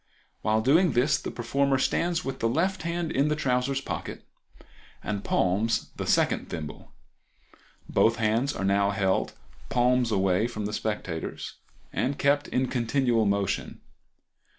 While doing this the performer stands with the left hand in the trousers pocket and palms the second thimble. Both hands are now held palms away from the spectators, and kept in continual motion.